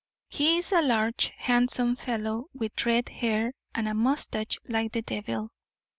He is a large, handsome fellow, with red hair and a moustache like the devil.